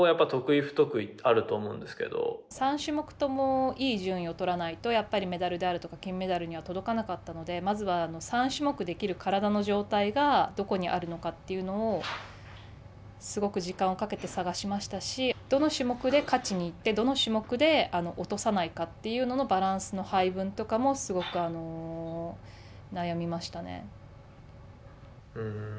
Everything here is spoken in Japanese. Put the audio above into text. あれの自分の得意不得意って３種目ともいい順位を取らないとやっぱりメダルであるとか金メダルには届かなかったのでまずは３種目できる体の状態がどこにあるのかというのをすごく時間をかけて探しましたしどの種目で勝ちに行ってどの種目で落とさないかということのバランスの配分とかもすごく悩みましたね。